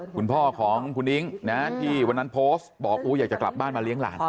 คุณพ่อของคุณนิ้งนะที่วันนั้นโพสต์บอกอยากจะกลับบ้านมาเลี้ยงหลาน